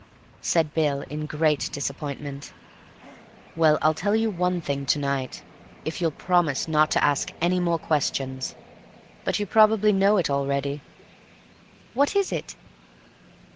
said Bill in great disappointment. "Well, I'll tell you one thing to night, if you'll promise not to ask any more questions. But you probably know it already." "What is it?"